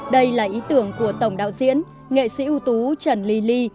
đây là ý tưởng của tổng đạo diễn nghệ sĩ ưu tú trần ly ly ly